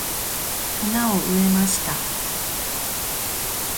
花を植えました。